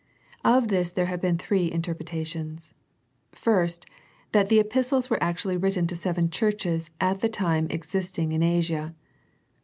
Of this there have been three interpretations. First, that the epistles were actually written to seven churches at the time existing in Asia.